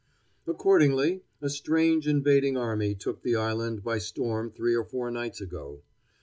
Accordingly, a strange invading army took the island by storm three or four nights ago.